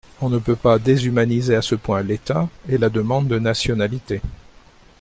On ne peut pas déshumaniser à ce point l’État et la demande de nationalité.